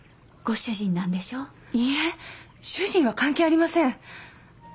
いいえ主人は関係ありません！